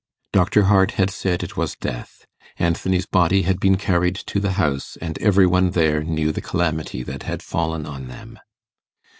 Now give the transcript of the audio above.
Dr Hart had said it was death; Anthony's body had been carried to the house, and every one there knew the calamity that had fallen on them.